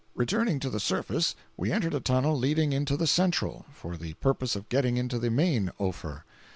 Returning to the surface, we entered a tunnel leading into the Central, for the purpose of getting into the main Ophir.